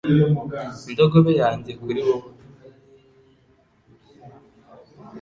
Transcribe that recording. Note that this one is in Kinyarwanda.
indogobe yanjye kuri wowe